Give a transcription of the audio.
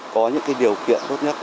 có những cái điều kiện tốt nhất